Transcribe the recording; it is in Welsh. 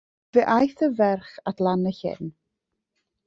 Fe aeth y ferch at lan y llyn.